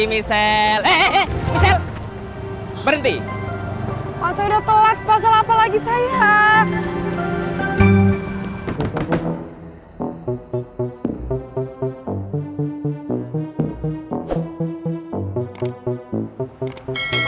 misal berhenti pasal telat pasal apa lagi saya